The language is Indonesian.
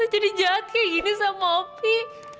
tante jadi jahat kayak gini sama opi